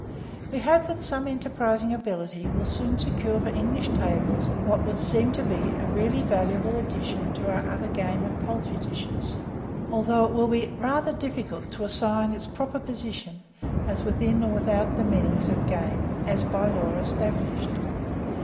We hope that some enterprising individual will soon secure for English, tables what would seem to be a really valuable addition to our other game and poultry dishes; although it will be rather difficult to exactly assign its proper position, as within or without the meaning of "game," as by law established.